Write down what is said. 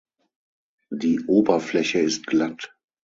Die Oberfläche ist glatt.